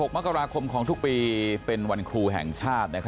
๖มกราคมของทุกปีเป็นวันครูแห่งชาติ